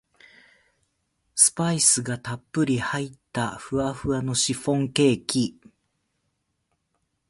スパイスがたっぷり入ったふわふわのシフォンケーキ